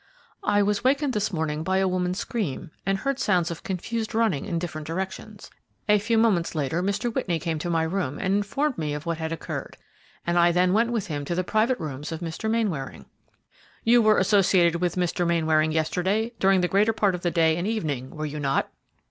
"I was awakened this morning by a woman's scream and heard sounds of confused running in different directions. A few moments later Mr. Whitney came to my room and informed me of what had occurred, and I then went with him to the private rooms of Mr. Mainwaring." "You were associated with Mr. Mainwaring yesterday during the greater part of the day and evening, were you not?"